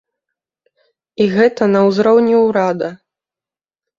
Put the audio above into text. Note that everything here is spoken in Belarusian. І гэта на ўзроўні ўрада.